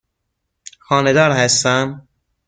خانه دار هستم.